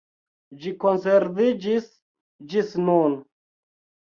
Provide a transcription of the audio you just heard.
Ĝi konserviĝis ĝis nun.